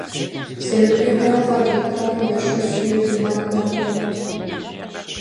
C’est le plus grand fabricant de chaussures de marque dans le monde.